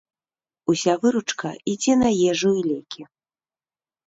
Уся выручка ідзе на ежу і лекі.